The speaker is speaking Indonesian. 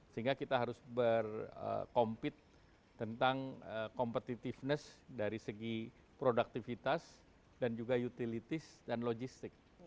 sehingga kita harus berkompit tentang competitiveness dari segi produktivitas dan juga utilities dan logistik